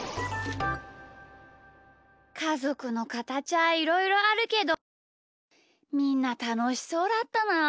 かぞくのかたちはいろいろあるけどみんなたのしそうだったなあ。